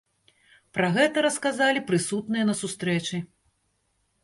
Пра гэта расказалі прысутныя на сустрэчы.